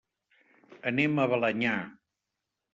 Anem a Balenyà.